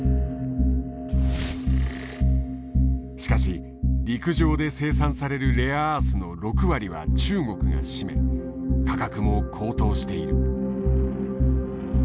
しかし陸上で生産されるレアアースの６割は中国が占め価格も高騰している。